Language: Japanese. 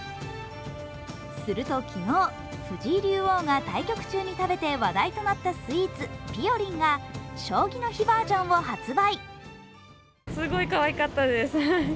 すると昨日、藤井竜王が対局中に食べて話題となったスイーツ、ぴよりんが将棋の日バージョンを発売。